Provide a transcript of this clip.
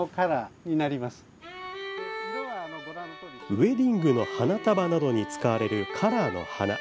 ウエディングの花束などに使われるカラーの花。